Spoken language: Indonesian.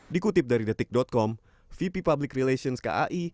dikutip dari detik com vp public relations kai